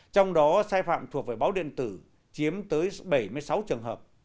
trong đó sai phạm thuộc về báo điện tử chiếm tới bảy mươi sáu trường hợp